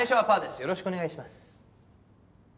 よろしくお願いします。